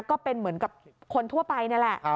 ก็เป็นเหมือนกับคนทั่วไปนี่แหละ